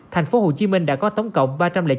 tp hcm đã có tổng cộng